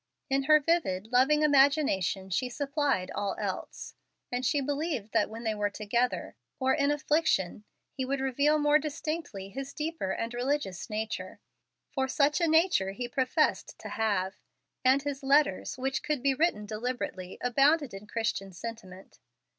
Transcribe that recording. In her vivid, loving imagination she supplied all else, and she believed that when they were more together, or in affliction, he would reveal more distinctly his deeper and religious nature, for such a nature he professed to have; and his letters, which could be written deliberately, abounded in Christian sentiment.